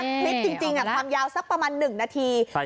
คลิปจริงความยาวสักประมาณ๑นาที